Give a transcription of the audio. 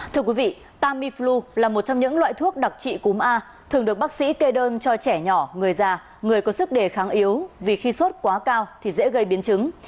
thưa quý vị tamiflu là một trong những loại thuốc đặc trị cúm a thường được bác sĩ kê đơn cho trẻ nhỏ người già người có sức đề kháng yếu vì khi sốt quá cao thì dễ gây biến chứng